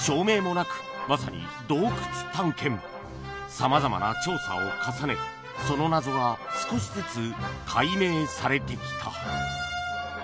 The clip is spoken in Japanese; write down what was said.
様々な調査を重ねその謎は少しずつ解明されてきた